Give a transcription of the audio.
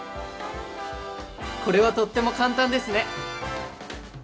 これはとっても簡単ですね！